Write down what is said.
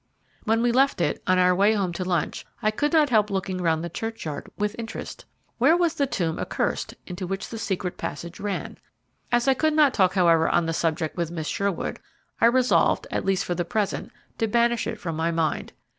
When we left it, on our way home to lunch, I could not help looking round the churchyard with interest. Where was the tomb accurst into which the secret passage ran? As I could not talk, however, on the subject with Miss Sherwood, I resolved, at least for the present, to banish it from my mind.